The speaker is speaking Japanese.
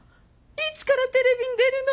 いつからテレビに出るの？